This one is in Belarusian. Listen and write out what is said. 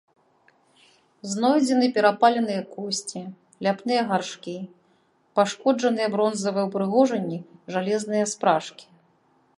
Знойдзены перапаленыя косці, ляпныя гаршкі, пашкоджаныя бронзавыя ўпрыгожанні, жалезныя спражкі.